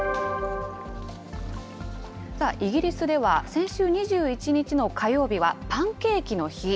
イギリスでは、先週２１日の火曜日はパンケーキの日。